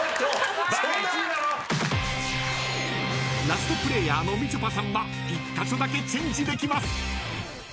［ラストプレーヤーのみちょぱさんは１カ所だけチェンジできます］